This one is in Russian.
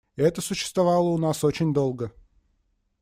И это существовало у нас очень долго.